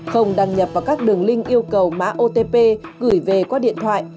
không đăng nhập vào các đường link yêu cầu mã otp gửi về qua điện thoại